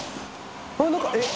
あっ何かえっ？